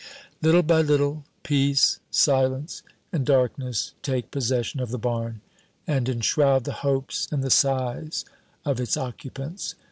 Little by little, peace, silence, and darkness take possession of the barn and enshroud the hopes and the sighs of its occupants.